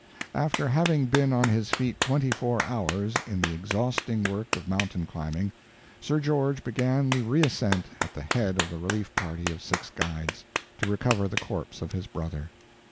After having been on his feet twenty four hours, in the exhausting work of mountain climbing, Sir George began the reascent at the head of the relief party of six guides, to recover the corpse of his brother.